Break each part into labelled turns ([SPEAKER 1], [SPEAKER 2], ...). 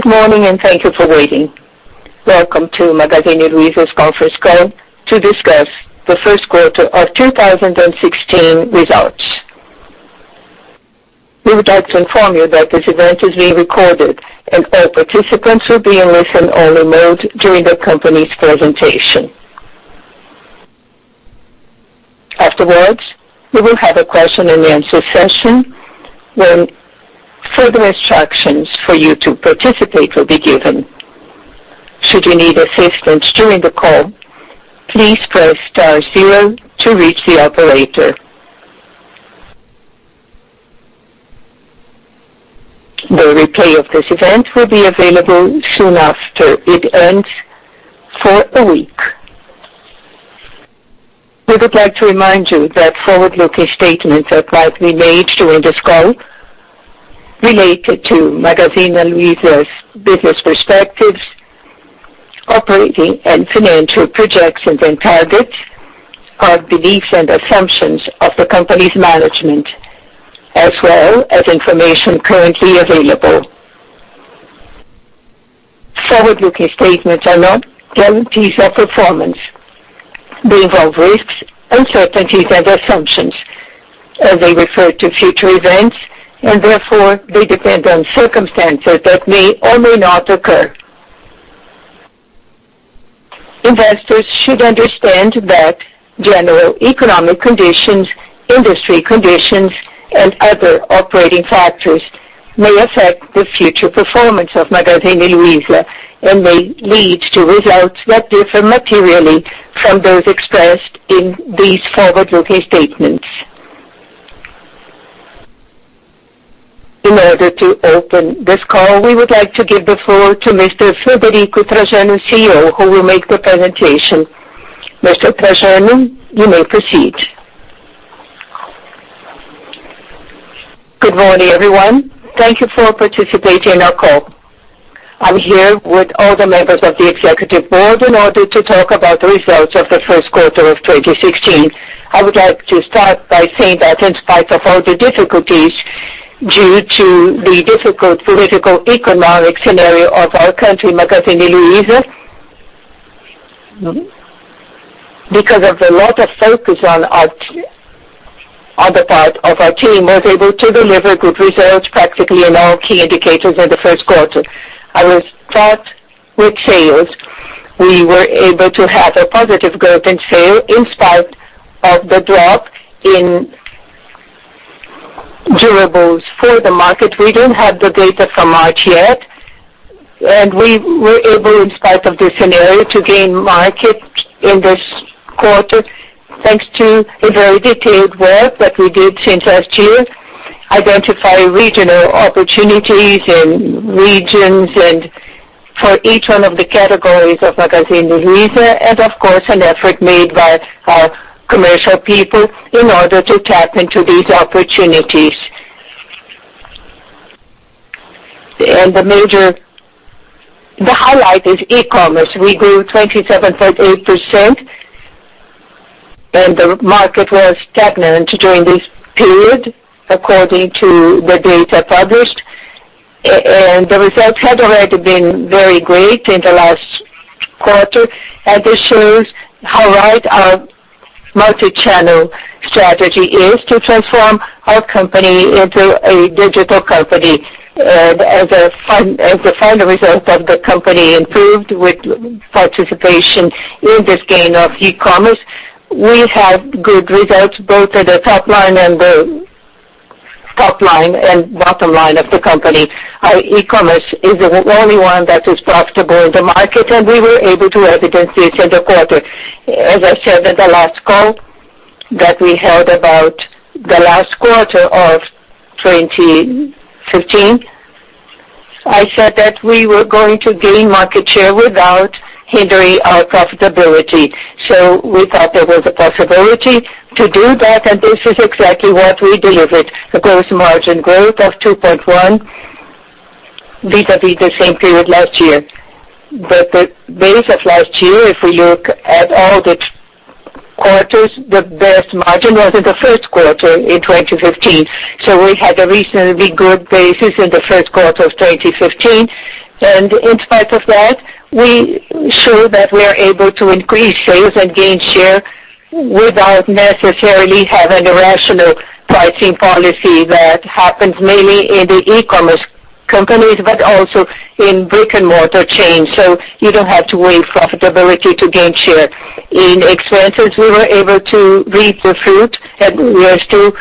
[SPEAKER 1] Good morning. Thank you for waiting. Welcome to Magazine Luiza's conference call to discuss the Q1 2016 results. We would like to inform you that this event is being recorded. All participants will be in listen-only mode during the company's presentation. Afterwards, we will have a question-and-answer session, when further instructions for you to participate will be given. Should you need assistance during the call, please press star zero to reach the operator. The replay of this event will be available soon after it ends for a week. We would like to remind you that forward-looking statements that might be made during this call relate to Magazine Luiza's business perspectives, operating and financial projections and targets, are beliefs and assumptions of the company's management, as well as information currently available. Forward-looking statements are not guarantees of performance.
[SPEAKER 2] They involve risks, uncertainties, and assumptions, as they refer to future events. Therefore, they depend on circumstances that may or may not occur. Investors should understand that general economic conditions, industry conditions, and other operating factors may affect the future performance of Magazine Luiza and may lead to results that differ materially from those expressed in these forward-looking statements. In order to open this call, we would like to give the floor to Mr. Frederico Trajano, CEO, who will make the presentation. Mr. Trajano, you may proceed. Good morning, everyone. Thank you for participating in our call. I'm here with all the members of the executive board in order to talk about the results of the Q1 2016. I would like to start by saying that in spite of all the difficulties due to the difficult political, economic scenario of our country, Magazine Luiza, because of a lot of focus on the part of our team, was able to deliver good results practically in all key indicators in the first quarter. I will start with sales. We were able to have a positive growth in sale in spite of the drop in durables for the market. We don't have the data for March yet. We were able, in spite of this scenario, to gain market in this quarter, thanks to a very detailed work that we did since last year, identifying regional opportunities in regions and for each one of the categories of Magazine Luiza. Of course, an effort made by our commercial people in order to tap into these opportunities. The highlight is e-commerce. We grew 27.8%. The market was stagnant during this period, according to the data published. The results had already been very great in the last quarter. This shows how right our multi-channel strategy is to transform our company into a digital company. As a final result of the company improved with participation in this gain of e-commerce, we have good results, both at the top line and bottom line of the company. Our e-commerce is the only one that is profitable in the market. We were able to evidence this in the quarter. As I said in the last call that we held about the last quarter of 2015, I said that we were going to gain market share without hindering our profitability. We thought there was a possibility to do that. This is exactly what we delivered. A gross margin growth of 2.1% vis-à-vis the same period last year. The base of last year, if we look at all the quarters, the best margin was in the first quarter in 2015. We had a reasonably good basis in the first quarter of 2015. In spite of that, we show that we are able to increase sales and gain share without necessarily having a rational pricing policy that happens mainly in the e-commerce companies, but also in brick-and-mortar chains. You don't have to weigh profitability to gain share. In expenses, we were able to reap the fruit that we are still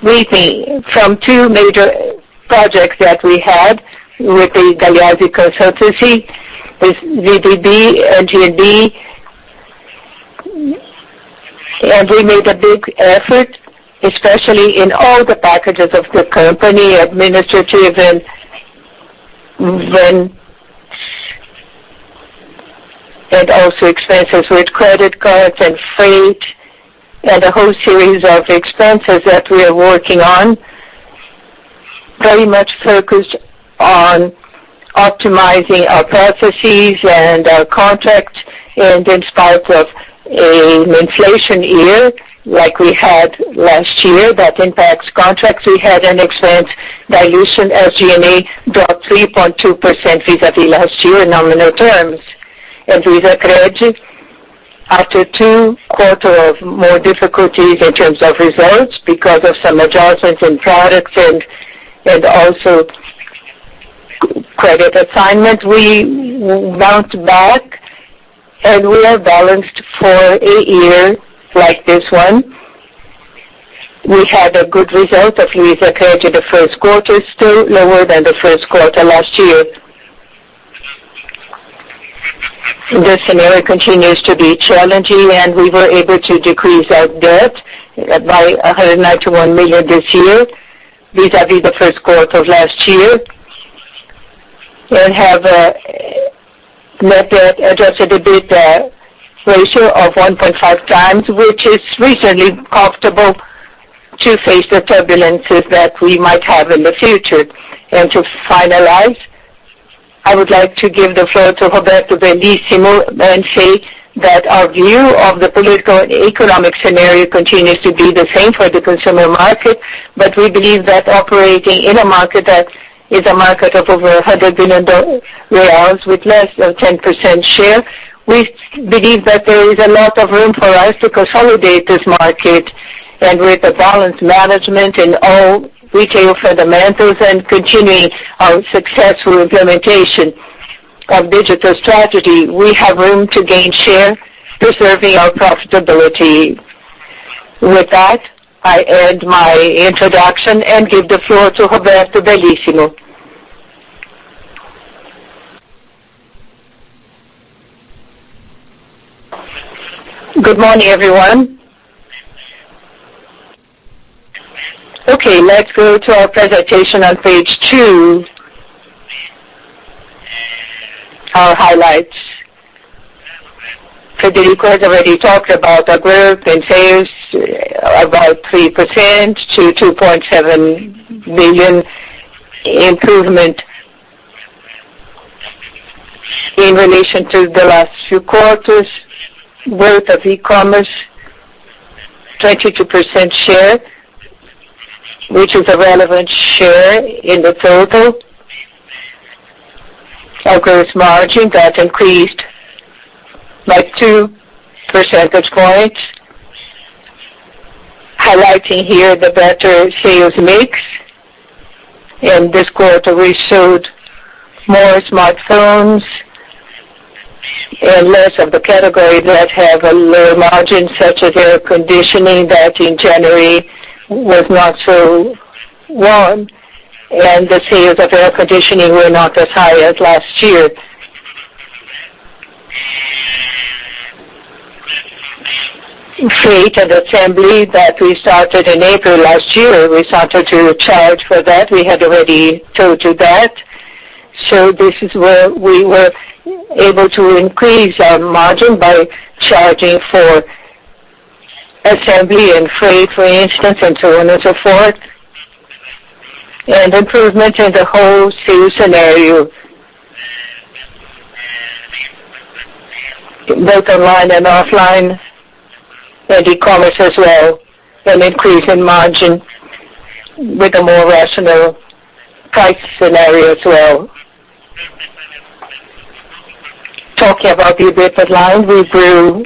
[SPEAKER 2] reaping from two major projects that we had with the Gagliardi consultancy, with VDB, NGB. We made a big effort, especially in all the packages of the company, administrative and also expenses with credit cards and freight, and a whole series of expenses that we are working on. Very much focused on optimizing our processes and our contracts. In spite of an inflation year, like we had last year, that impacts contracts, we had an expense dilution. SG&A dropped 3.2% vis-à-vis last year in nominal terms. Boticário, after two quarters of more difficulties in terms of results, because of some adjustments in products and also credit assignment, we bounced back, and we are balanced for a year like this one. We had a good result of Boticário the first quarter, still lower than the first quarter last year. The scenario continues to be challenging. We were able to decrease our debt by BRL 191 million this year, vis-à-vis the first quarter of last year. Have a net debt adjusted EBITDA ratio of 1.5x, which is reasonably comfortable to face the turbulences that we might have in the future. To finalize, I would like to give the floor to Roberto Bellissimo and say that our view of the political and economic scenario continues to be the same for the consumer market. We believe that operating in a market that is a market of over BRL 100 billion with less than 10% share, we believe that there is a lot of room for us to consolidate this market. With a balanced management in all retail fundamentals and continuing our successful implementation of digital strategy, we have room to gain share, preserving our profitability. With that, I end my introduction and give the floor to Roberto Bellissimo. Good morning, everyone. Okay, let's go to our presentation on page two. Our highlights. Frederico has already talked about our group in sales, about 3% to 2.7 billion improvement in relation to the last few quarters. Growth of e-commerce, 22% share, which is a relevant share in the total. Our gross margin got increased by two percentage points. Highlighting here the better sales mix. In this quarter, we showed more smartphones and less of the category that have a lower margin, such as air conditioning, that in January was not so warm, and the sales of air conditioning were not as high as last year. Freight and assembly that we started in April last year, we started to charge for that. We had already told you that.
[SPEAKER 3] This is where we were able to increase our margin by charging for assembly and freight, for instance, and so on and so forth. Improvement in the whole sales scenario. Both online and offline, and e-commerce as well, an increase in margin with a more rational price scenario as well. Talking about the EBITDA, we grew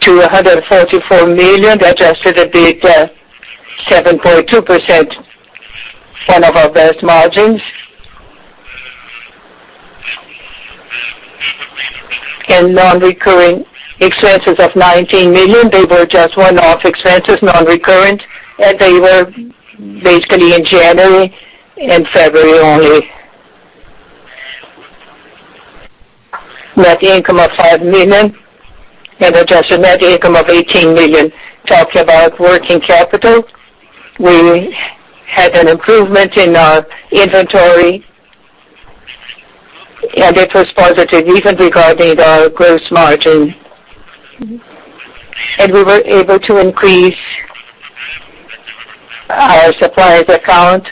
[SPEAKER 3] to 144 million adjusted EBITDA, 7.2%, one of our best margins. Non-recurring expenses of 19 million. They were just one-off expenses, non-recurrent, and they were basically in January and February only. Net income of 5 million, and adjusted net income of 18 million. Talking about working capital, we had an improvement in our inventory, and it was positive even regarding our gross margin. We were able to increase our suppliers account,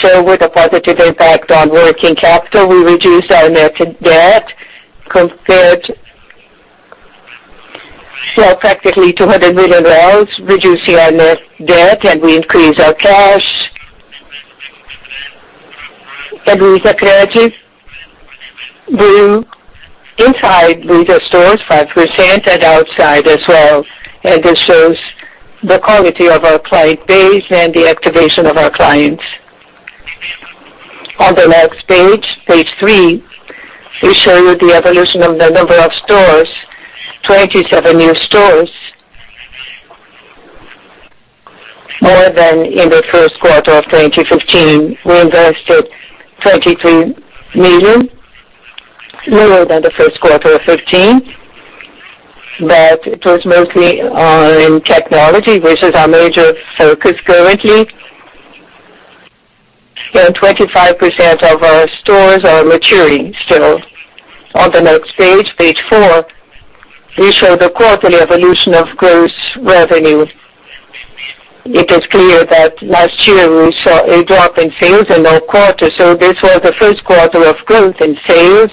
[SPEAKER 3] so with a positive impact on working capital. We reduced our net debt practically to BRL 100 million, reducing our net debt, and we increased our cash. Boticário grew inside Boticário stores 5% and outside as well. This shows the quality of our client base and the activation of our clients. On the next page three, we show you the evolution of the number of stores, 27 new stores. More than in the first quarter of 2015. We invested 23 million, lower than the first quarter of 2015. But it was mostly in technology, which is our major focus currently. And 25% of our stores are maturing still. On the next page four, we show the quarterly evolution of gross revenue. It is clear that last year we saw a drop in sales in our quarter, so this was the first quarter of growth in sales,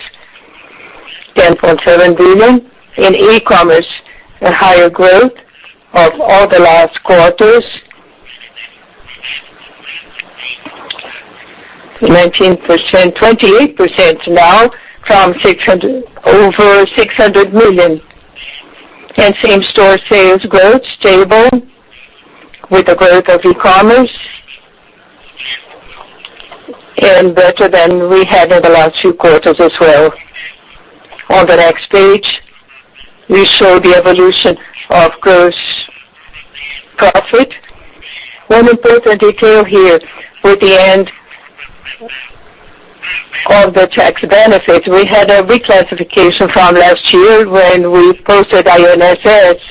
[SPEAKER 3] 10.7 billion. In e-commerce, a higher growth of all the last quarters. 19%, 28% now from over 600 million. Same-store sales growth stable with the growth of e-commerce, and better than we had in the last two quarters as well. On the next page, we show the evolution of gross profit. One important detail here, with the end of the tax benefit, we had a reclassification from last year when we posted ICMS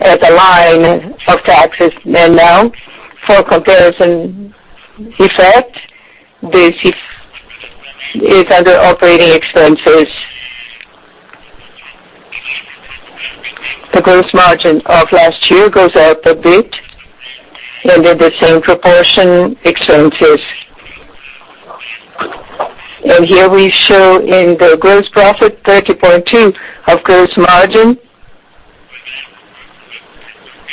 [SPEAKER 3] at the line of taxes, and now for comparison effect, this is under operating expenses. The gross margin of last year goes up a bit, and in the same proportion, expenses. Here we show in the gross profit, 30.2% of gross margin.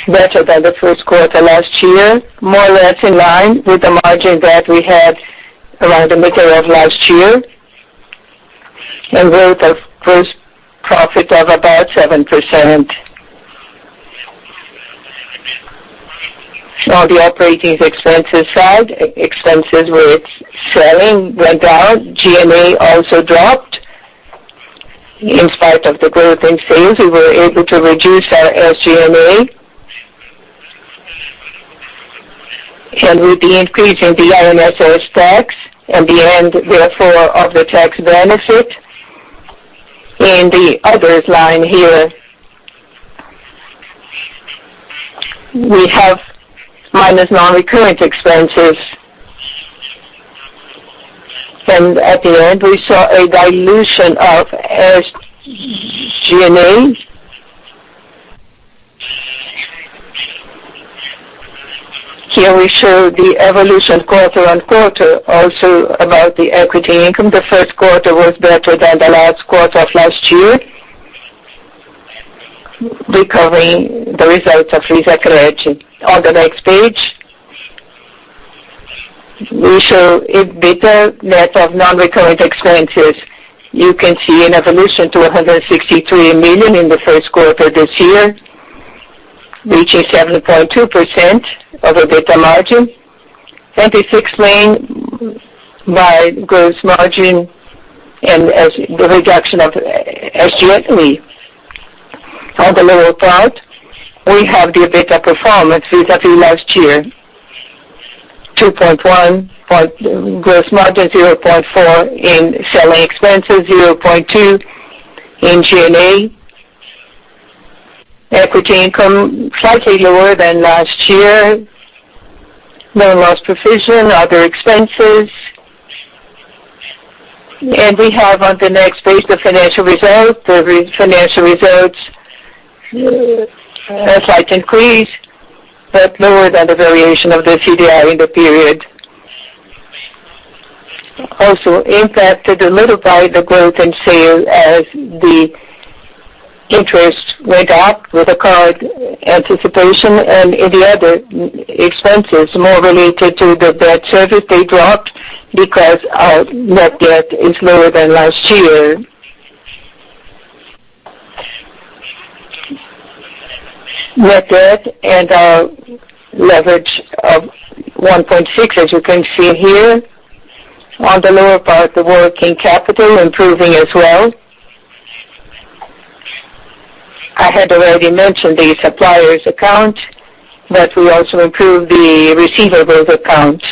[SPEAKER 3] Better than the first quarter last year. More or less in line with the margin that we had around the middle of last year, and growth of gross profit of about 7%. On the operating expenses side, expenses with selling went down. G&A also dropped. In spite of the growth in sales, we were able to reduce our SG&A. With the increase in the ICMS tax and the end, therefore, of the tax benefit. In the others line here, we have minus non-recurrent expenses. At the end, we saw a dilution of SG&A. Here we show the evolution quarter-on-quarter, also about the equity income. The first quarter was better than the last quarter of last year, recovering the results of Luizacred. On the next page, we show EBITDA net of non-recurrent expenses. You can see an evolution to BRL 163 million in the first quarter this year, reaching 7.2% of EBITDA margin. This explained by gross margin and the reduction of SG&A. On the lower part, we have the EBITDA performance vis-à-vis last year, 2.1 gross margin, 0.4 in selling expenses, 0.2 in G&A. Equity income slightly lower than last year. Loan loss provision, other expenses. We have on the next page, the financial results. The financial results, a slight increase, but lower than the variation of the CDI in the period. Also impacted a little by the growth in sales as the interest went up with the card anticipation and the other expenses more related to the debt service, they dropped because our net debt is lower than last year. Net debt and our leverage of 1.6, as you can see here. On the lower part, the working capital improving as well. I had already mentioned the suppliers account, but we also improved the receivables account.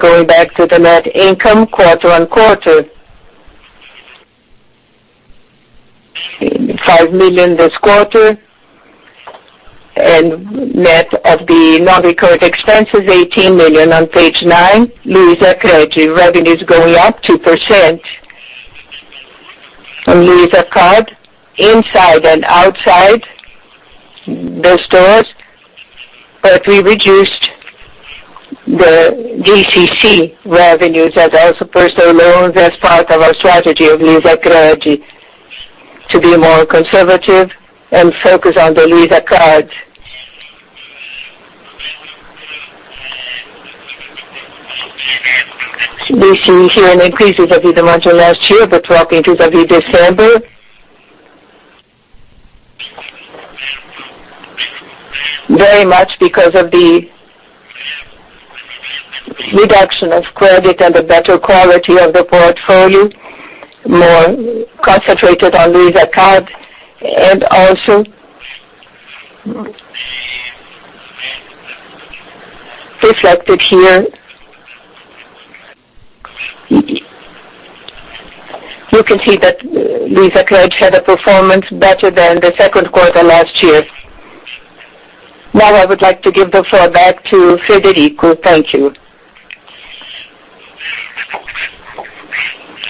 [SPEAKER 3] Going back to the net income, quarter-over-quarter. 5 million this quarter, net of the non-recurrent expenses, BRL 18 million. On page nine, Luizacred. Revenues going up 2% on Cartão Luiza inside and outside the stores, we reduced the CDC revenues and also personal loans as part of our strategy of Luizacred to be more conservative and focus on the Cartão Luiza. We see here an increase vis-à-vis the margin last year, dropping vis-à-vis December. Very much because of the reduction of credit and the better quality of the portfolio, more concentrated on Cartão Luiza, and also reflected here. You can see that Luizacred had a performance better than the second quarter last year. Now I would like to give the floor back to Frederico. Thank you.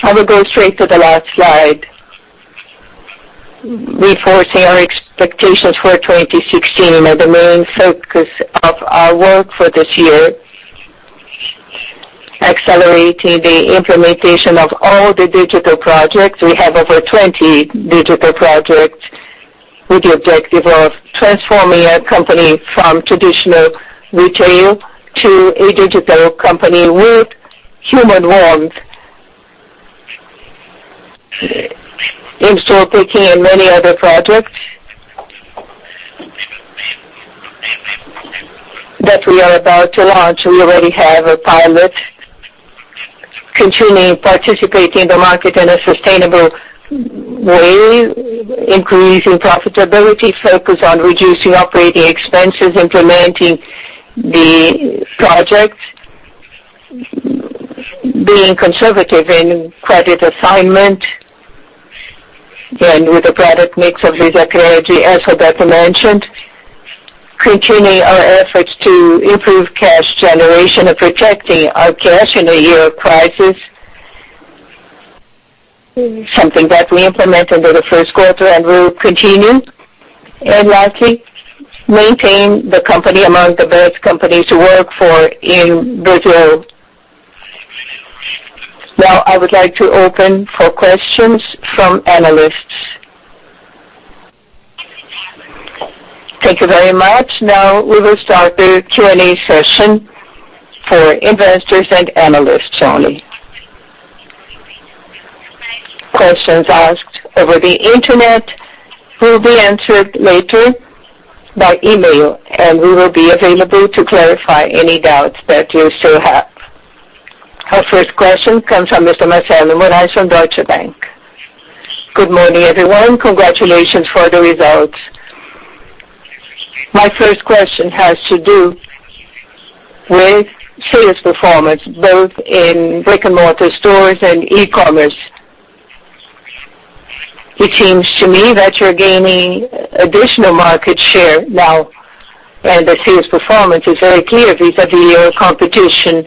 [SPEAKER 3] I will go straight to the last slide. Reinforcing our expectations for 2016 are the main focus of our work for this year.
[SPEAKER 2] Accelerating the implementation of all the digital projects. We have over 20 digital projects with the objective of transforming our company from traditional retail to a digital company with human warmth. In-store picking and many other projects that we are about to launch. We already have a pilot continuing participating in the market in a sustainable way, increasing profitability, focus on reducing operating expenses, implementing the projects, being conservative in credit assignment, and with the product mix of Luizacred, as Roberto mentioned. Continuing our efforts to improve cash generation and protecting our cash in a year of crisis. Something that we implemented in the first quarter and we will continue. Lastly, maintain the company among the best companies to work for in Brazil. Now, I would like to open for questions from analysts. Thank you very much.
[SPEAKER 1] Now we will start the Q&A session for investors and analysts only. Questions asked over the internet will be answered later by email, we will be available to clarify any doubts that you still have. Our first question comes from Mr. Marcelo Moraes from Deutsche Bank.
[SPEAKER 4] Good morning, everyone. Congratulations for the results. My first question has to do with sales performance, both in brick-and-mortar stores and e-commerce. It seems to me that you're gaining additional market share now, the sales performance is very clear vis-à-vis your competition.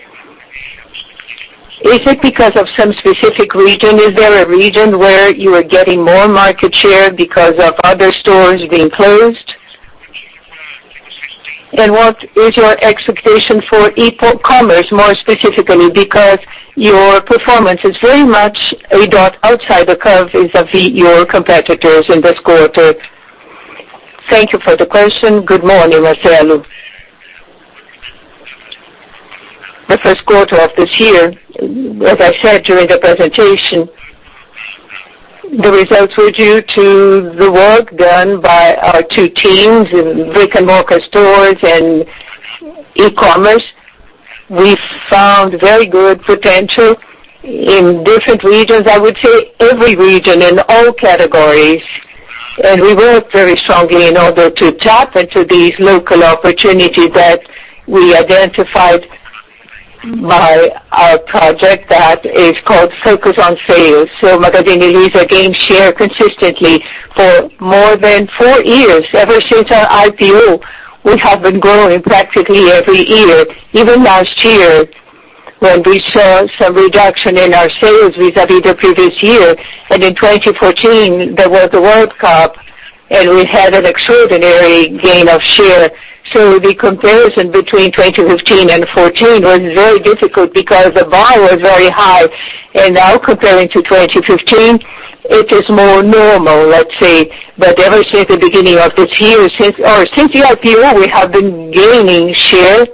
[SPEAKER 4] Is it because of some specific region? Is there a region where you are getting more market share because of other stores being closed? What is your expectation for e-commerce, more specifically? Because your performance is very much a dot outside the curve vis-à-vis your competitors in this quarter. Thank you for the question. Good morning, Marcelo.
[SPEAKER 2] The first quarter of this year, as I said during the presentation, the results were due to the work done by our two teams in brick-and-mortar stores and e-commerce. We found very good potential in different regions, I would say every region in all categories. We worked very strongly in order to tap into these local opportunities that we identified by our project that is called Focus on Sales. Magazine Luiza gained share consistently for more than four years. Ever since our IPO, we have been growing practically every year. Even last year, when we saw some reduction in our sales vis-à-vis the previous year, and in 2014, there was the World Cup, and we had an extraordinary gain of share. The comparison between 2015 and 2014 was very difficult because the bar was very high. Now comparing to 2015, it is more normal, let's say. Ever since the beginning of this year, or since the IPO, we have been gaining share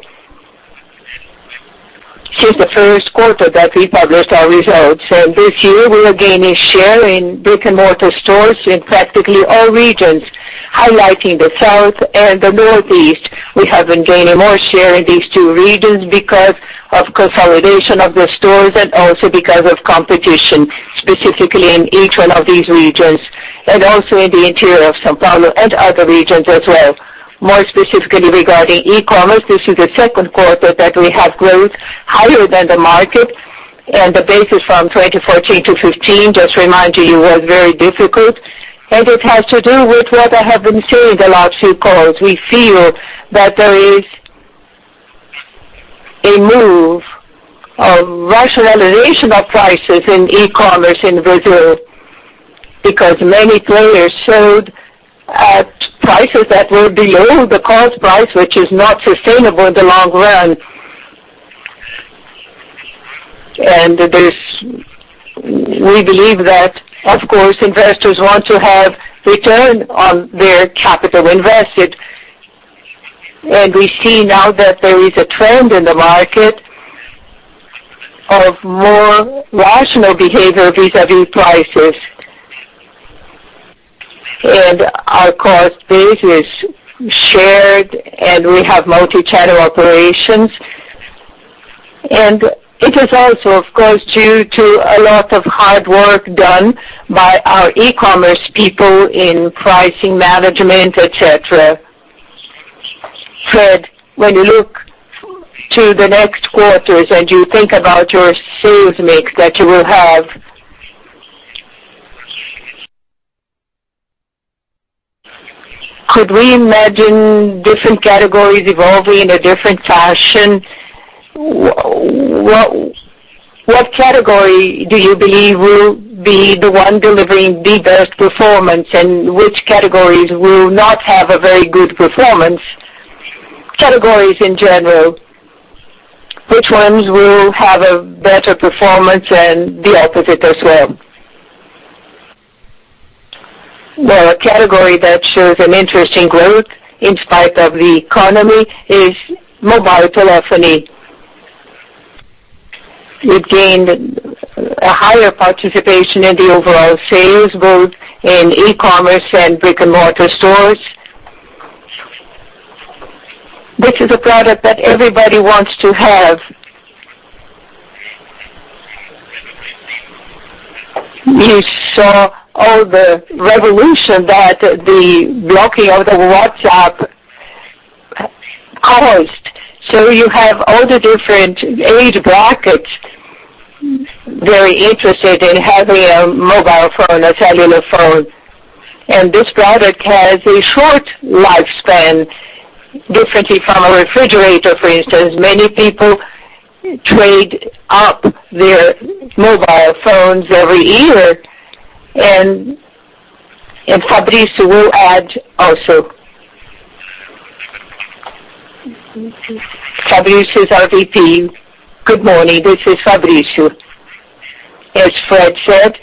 [SPEAKER 2] since the first quarter that we published our results. This year, we are gaining share in brick-and-mortar stores in practically all regions, highlighting the South and the Northeast. We have been gaining more share in these two regions because of consolidation of the stores and also because of competition, specifically in each one of these regions, and also in the interior of São Paulo and other regions as well. More specifically regarding e-commerce, this is the second quarter that we have growth higher than the market. The basis from 2014 to 2015, just remind you, was very difficult. It has to do with what I have been saying the last few calls. We feel that there is a move of rationalization of prices in e-commerce in Brazil, because many players showed prices that were below the cost price, which is not sustainable in the long run. We believe that, of course, investors want to have return on their capital invested. We see now that there is a trend in the market of more rational behavior vis-à-vis prices. Our cost base is shared, and we have multi-channel operations. It is also, of course, due to a lot of hard work done by our e-commerce people in pricing management, et cetera. Fred, when you look to the next quarters and you think about your sales mix that you will have, could we imagine different categories evolving in a different fashion?
[SPEAKER 4] What category do you believe will be the one delivering the best performance, and which categories will not have a very good performance? Categories in general, which ones will have a better performance, and the opposite as well? The category that shows an interesting growth in spite of the economy is mobile telephony. It gained a higher participation in the overall sales, both in e-commerce and brick-and-mortar stores. This is a product that everybody wants to have. You saw all the revolution that the blocking of the WhatsApp caused. You have all the different age brackets very interested in having a mobile phone, a cellular phone, and this product has a short lifespan, differently from a refrigerator, for instance. Many people trade up their mobile phones every year. Fabrício will add also. Fabrício is our VP.
[SPEAKER 5] Good morning. This is Fabrício. As Fred said,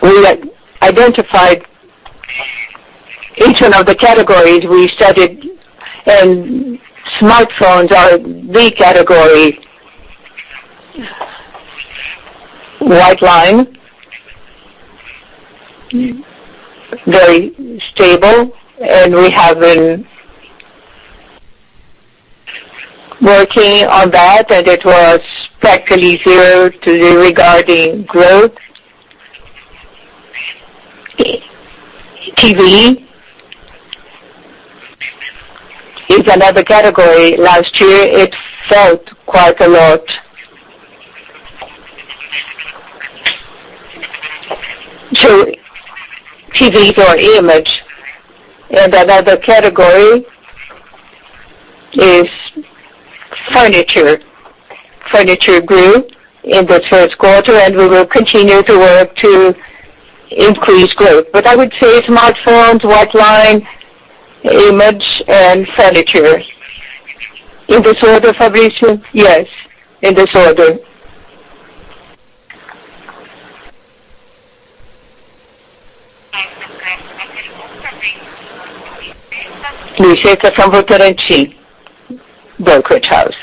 [SPEAKER 5] we identified each one of the categories we studied, and smartphones are the category. White line, very stable, we have been working on that, and it was practically zero regarding growth. TV is another category. Last year, it fell quite a lot to TVs or image. Another category is furniture. Furniture grew in the first quarter, we will continue to work to increase growth. I would say smartphones, white line, image, and furniture. In this order, Fabrício? Yes, in this order. Luizeta from Boticarius Brokerage House.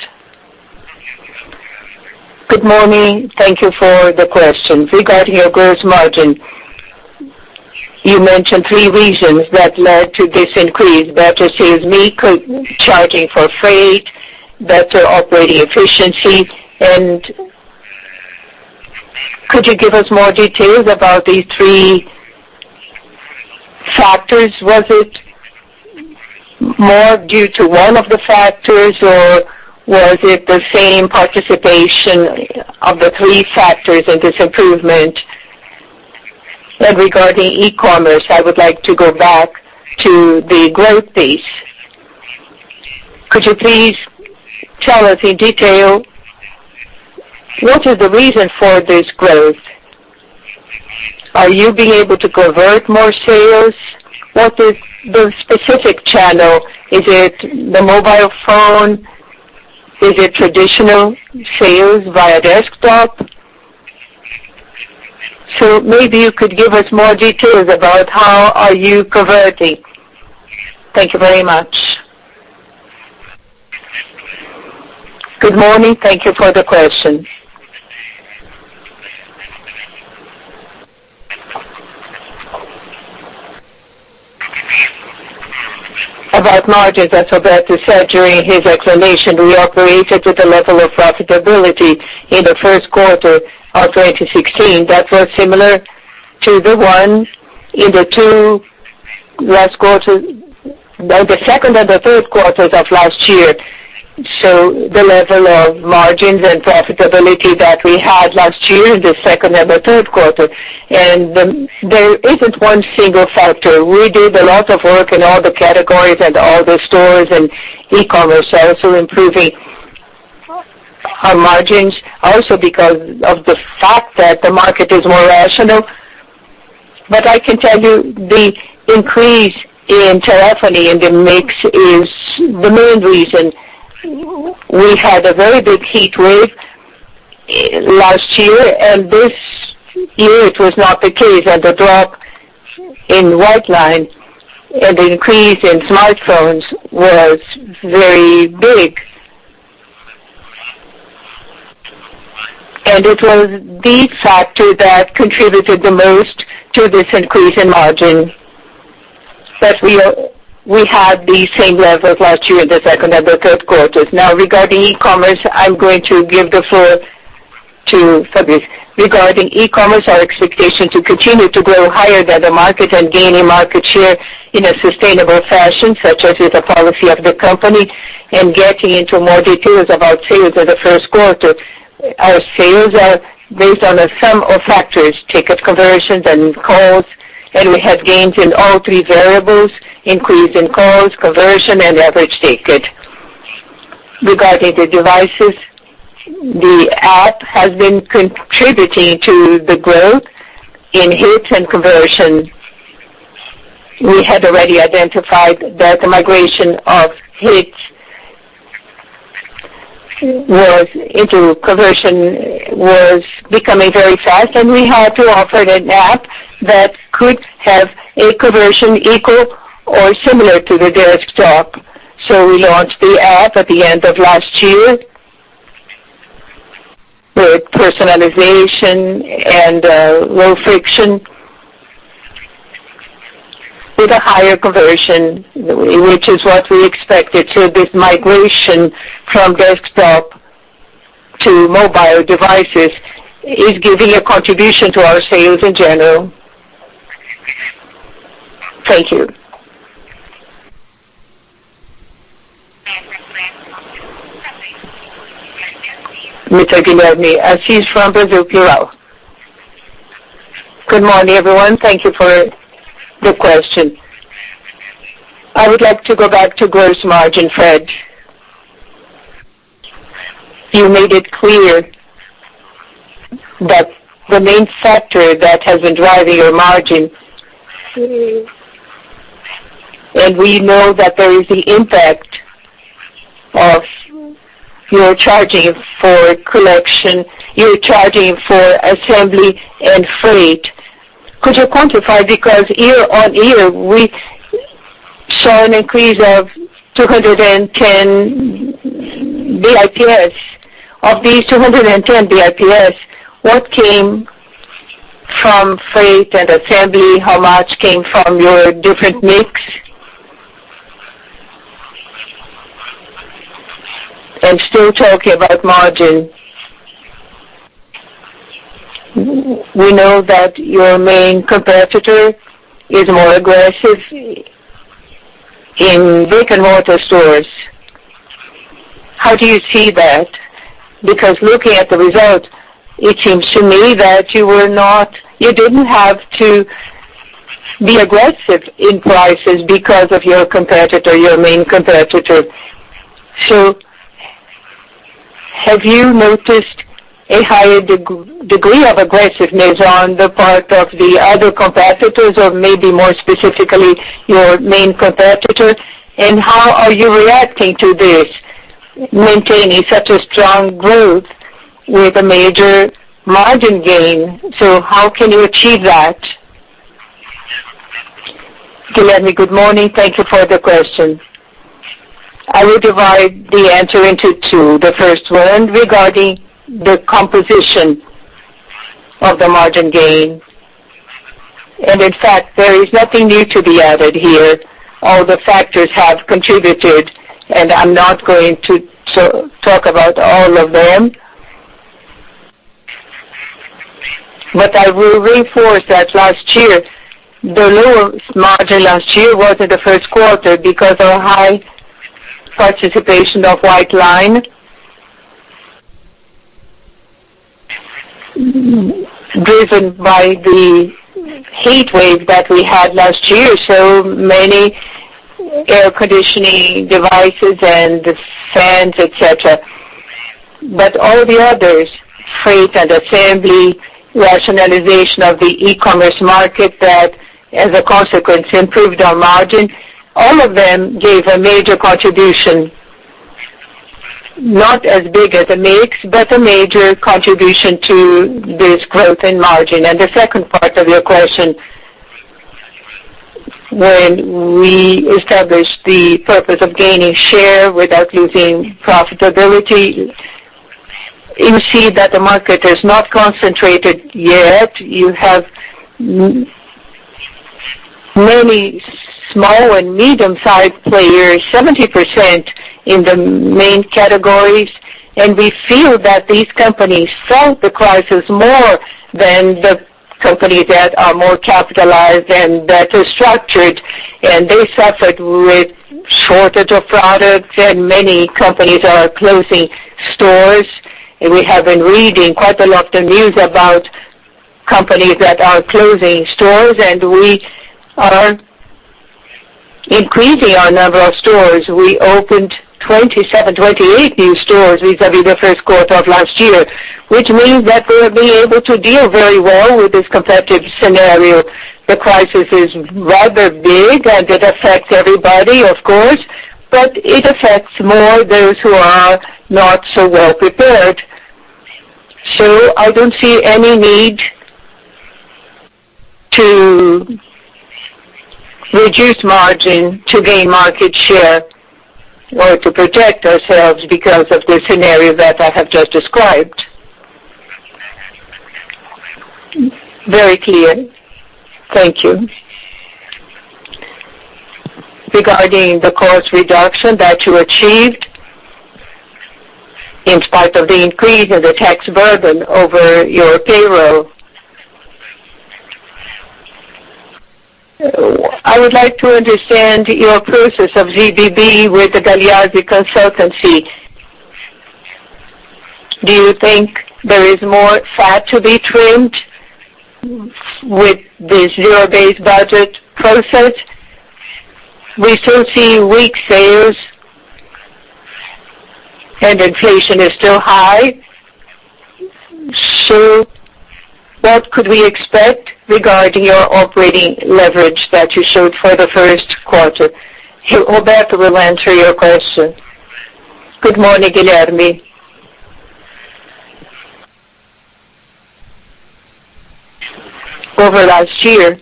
[SPEAKER 5] Good morning. Thank you for the question. Regarding your gross margin, you mentioned three reasons that led to this increase: better sales mix, charging for freight, better operating efficiency. Could you give us more details about these three factors?
[SPEAKER 2] Was it more due to one of the factors, or was it the same participation of the three factors in this improvement? Regarding e-commerce, I would like to go back to the growth pace. Could you please tell us in detail, what is the reason for this growth? Are you being able to convert more sales? What is the specific channel? Is it the mobile phone? Is it traditional sales via desktop? Maybe you could give us more details about how are you converting. Thank you very much. Good morning. Thank you for the question. About margins, as Roberto said during his explanation, we operated at a level of profitability in the first quarter of 2016 that was similar to the ones in the second and the third quarters of last year. The level of margins and profitability that we had last year in the second and the third quarter. There isn't one single factor. We did a lot of work in all the categories and all the stores and e-commerce also improving our margins also because of the fact that the market is more rational. I can tell you the increase in telephony in the mix is the main reason. We had a very big heat wave last year, this year it was not the case. The drop in white line and the increase in smartphones was very big. It was the factor that contributed the most to this increase in margin. We had the same levels last year in the second and the third quarters. Regarding e-commerce, I am going to give the floor to Fabrício.
[SPEAKER 5] Regarding e-commerce, our expectation to continue to grow higher than the market and gain a market share in a sustainable fashion, such as is a policy of the company, getting into more details about sales in the first quarter. Our sales are based on a sum of factors: ticket conversions, and calls, and we have gains in all three variables: increase in calls, conversion, and average ticket. Regarding the devices, the app has been contributing to the growth in hits and conversion. We had already identified that the migration of hits into conversion was becoming very fast, we had to offer an app that could have a conversion equal or similar to the desktop. We launched the app at the end of last year. With personalization and low friction. With a higher conversion, which is what we expected. This migration from desktop to mobile devices is giving a contribution to our sales in general. Thank you. Mr. Guilherme Assis from Brasil Plural. Good morning, everyone. Thank you for the question. I would like to go back to gross margin, Fred. You made it clear that the main factor that has been driving your margin, and we know that there is the impact of your charging for collection, your charging for assembly, and freight. Could you quantify? Because year-on-year, we saw an increase of 210 basis points. Of these 210 basis points, what came from freight and assembly? How much came from your different mix? Still talking about margin, we know that your main competitor is more aggressive in brick-and-mortar stores. How do you see that?
[SPEAKER 2] Looking at the result, it seems to me that you didn't have to be aggressive in prices because of your competitor, your main competitor. Have you noticed a higher degree of aggressiveness on the part of the other competitors, or maybe more specifically, your main competitor? How are you reacting to this, maintaining such a strong growth with a major margin gain? How can you achieve that? Guilherme, good morning. Thank you for the question. I will divide the answer into two. The first one regarding the composition of the margin gain. In fact, there is nothing new to be added here. All the factors have contributed, and I'm not going to talk about all of them. I will reinforce that last year, the lowest margin last year was in the first quarter because of high participation of white line, driven by the heat wave that we had last year. Many air conditioning devices and fans, et cetera. All the others, freight and assembly, rationalization of the e-commerce market that, as a consequence, improved our margin. All of them gave a major contribution, not as big as a mix, but a major contribution to this growth in margin. The second part of your question, when we established the purpose of gaining share without losing profitability, you see that the market is not concentrated yet. You have many small and medium-sized players, 70% in the main categories. We feel that these companies felt the crisis more than the companies that are more capitalized and better structured, and they suffered with shortage of products, and many companies are closing stores. We have been reading quite a lot of news about companies that are closing stores, and we are increasing our number of stores. We opened 28 new stores vis-a-vis the first quarter of last year, which means that we're being able to deal very well with this competitive scenario. The crisis is rather big, and it affects everybody, of course, but it affects more those who are not so well prepared. I don't see any need to reduce margin to gain market share or to protect ourselves because of the scenario that I have just described. Very clear. Thank you. Regarding the cost reduction that you achieved, in spite of the increase in the tax burden over your payroll. I would like to understand your process of ZBB with the Gagliardi consultancy. Do you think there is more fat to be trimmed with the zero-based budget process? We still see weak sales. Inflation is still high. What could we expect regarding your operating leverage that you showed for the first quarter? Roberto will answer your question. Good morning, Guilherme. Over last year,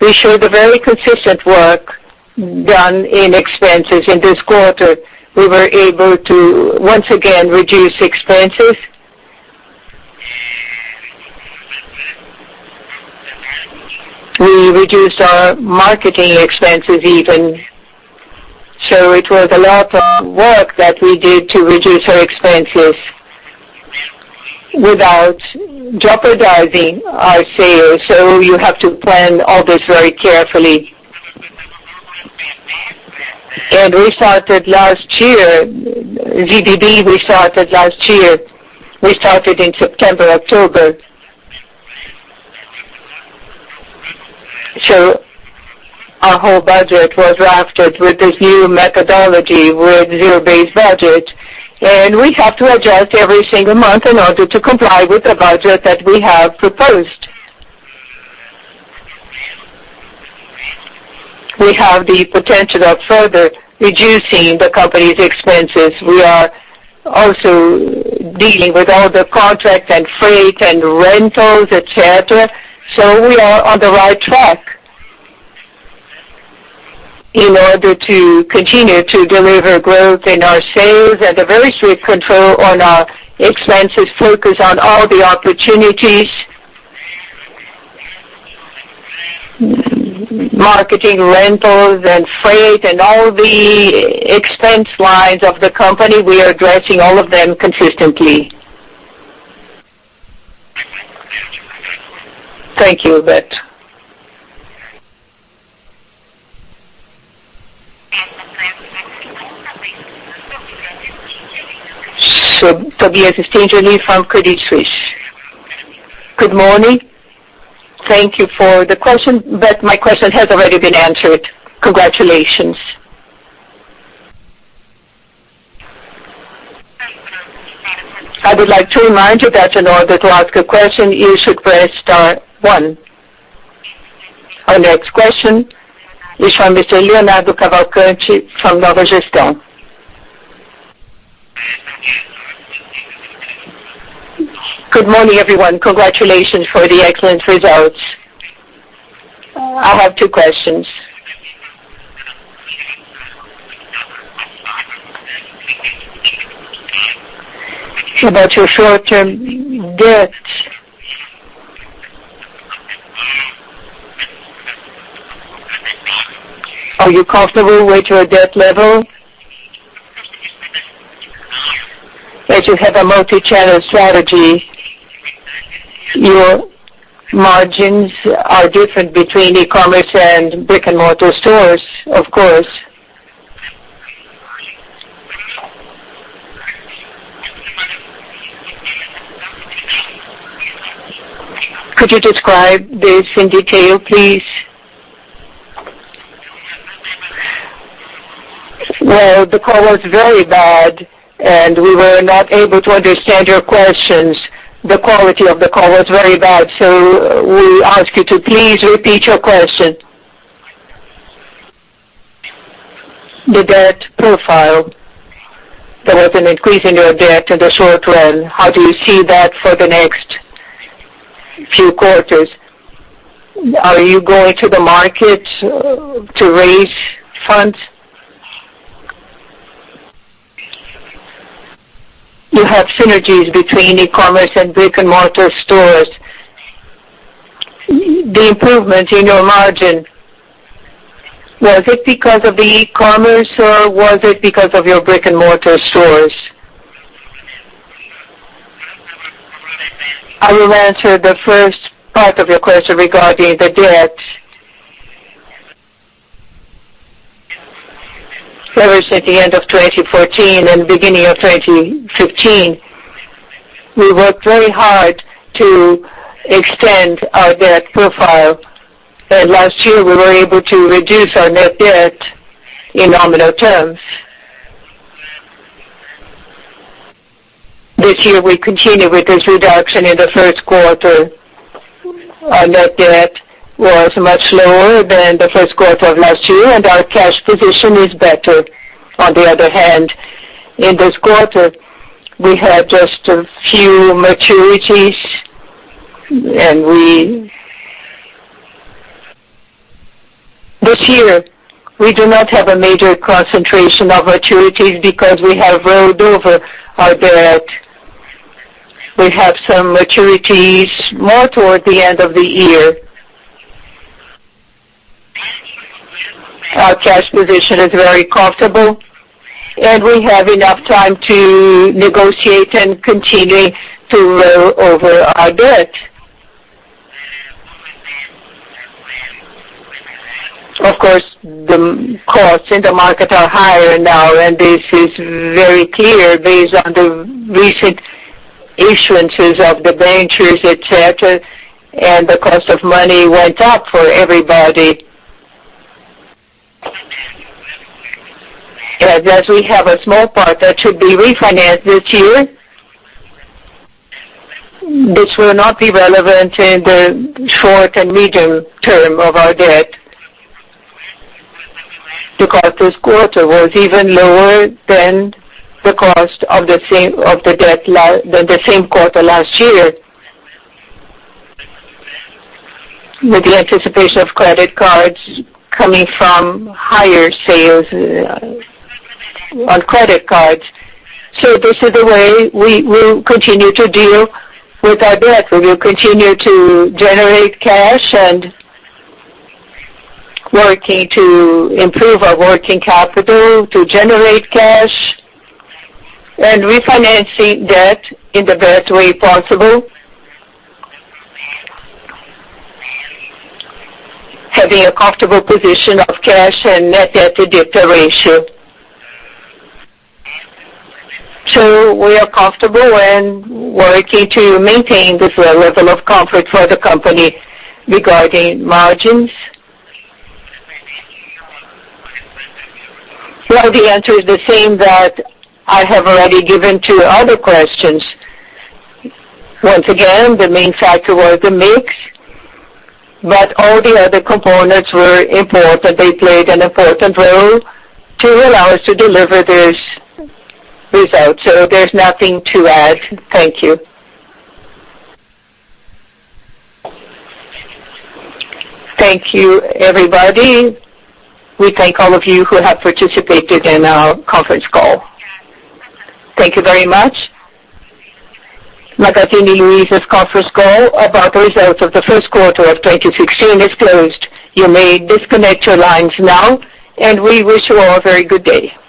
[SPEAKER 2] we showed a very consistent work done in expenses. In this quarter, we were able to, once again, reduce expenses. We reduced our marketing expenses even. It was a lot of work that we did to reduce our expenses without jeopardizing our sales. You have to plan all this very carefully. We started last year, ZBB, we started last year. We started in September, October. Our whole budget was drafted with this new methodology with zero-based budget, and we have to adjust every single month in order to comply with the budget that we have proposed. We have the potential of further reducing the company's expenses. We are also dealing with all the contracts and freight, and rentals, et cetera. We are on the right track in order to continue to deliver growth in our sales and a very strict control on our expenses, focus on all the opportunities, marketing, rentals, and freight, and all the expense lines of the company, we are addressing all of them consistently. Thank you, Roberto. from Credit Suisse. Good morning. Thank you for the question, but my question has already been answered. Congratulations. I would like to remind you that in order to ask a question, you should press star one.
[SPEAKER 1] Our next question is from Mr. Leonardo Cavalcanti from Nova Gestão.
[SPEAKER 6] Good morning, everyone. Congratulations for the excellent results. I have two questions. About your short-term debt, are you comfortable with your debt level? As you have a multi-channel strategy, your margins are different between e-commerce and brick-and-mortar stores, of course. Could you describe this in detail, please? Well, the call was very bad, and we were not able to understand your questions. The quality of the call was very bad. We ask you to please repeat your question. The debt profile. There was an increase in your debt in the short run. How do you see that for the next few quarters? Are you going to the market to raise funds? You have synergies between e-commerce and brick-and-mortar stores. The improvement in your margin, was it because of the e-commerce, or was it because of your brick-and-mortar stores?
[SPEAKER 3] I will answer the first part of your question regarding the debt. Ever since the end of 2014 and beginning of 2015, we worked very hard to extend our debt profile. Last year, we were able to reduce our net debt in nominal terms. This year, we continue with this reduction in the first quarter. Our net debt was much lower than the first quarter of last year, and our cash position is better. On the other hand, in this quarter, we had just a few maturities, and this year we do not have a major concentration of maturities because we have rolled over our debt. We have some maturities more toward the end of the year. Our cash position is very comfortable, and we have enough time to negotiate and continue to roll over our debt. The costs in the market are higher now. This is very clear based on the recent issuances of the bonds, et cetera. The cost of money went up for everybody. As we have a small part that should be refinanced this year, this will not be relevant in the short and medium term of our debt. This quarter was even lower than the cost of the debt than the same quarter last year, with the anticipation of credit cards coming from higher sales on credit cards. This is the way we will continue to deal with our debt. We will continue to generate cash and working to improve our working capital to generate cash and refinancing debt in the best way possible. Having a comfortable position of cash and net debt to debt to ratio.
[SPEAKER 2] We are comfortable and working to maintain this level of comfort for the company regarding margins. The answer is the same that I have already given to other questions. The main factor was the mix. All the other components were important. They played an important role to allow us to deliver this result. There's nothing to add. Thank you. Thank you, everybody. We thank all of you who have participated in our conference call. Thank you very much. Magazine Luiza's conference call about the results of the first quarter of 2016 is closed. You may disconnect your lines now, and we wish you all a very good day.